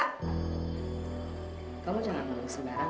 kamu jangan lulus sebarang